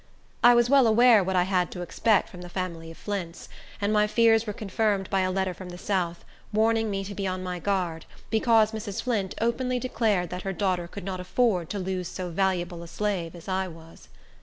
I was well aware what I had to expect from the family of Flints; and my fears were confirmed by a letter from the south, warning me to be on my guard, because Mrs. Flint openly declared that her daughter could not afford to lose so valuable a slave as I was.